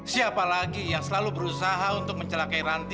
siapa lagi yang selalu berusaha untuk mencelakai ranti